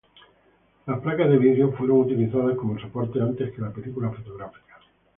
Las placas de vidrio fueron utilizadas como soporte antes que la película fotográfica.